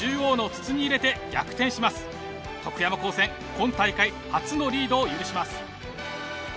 今大会初のリードを許します。